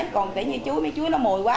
còn tự nhiên chuối nó mồi quá